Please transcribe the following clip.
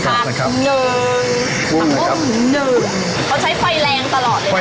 เขาใช้ไฟแรงตลอดเลยค่ะไฟแรงครับครับแล้วก็เทน้ำนะครับ